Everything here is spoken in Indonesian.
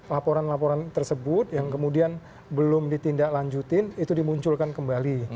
laporan laporan tersebut yang kemudian belum ditindaklanjutin itu dimunculkan kembali